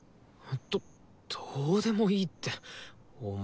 どどうでもいいってお前。